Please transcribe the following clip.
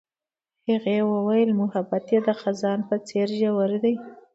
هغې وویل محبت یې د خزان په څېر ژور دی.